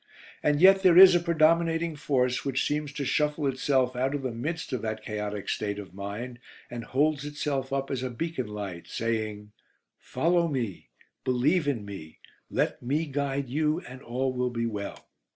And yet there is a predominating force which seems to shuffle itself out of the midst of that chaotic state of mind, and holds itself up as a beacon light, saying "Follow me, believe in me, let me guide you, all will be well."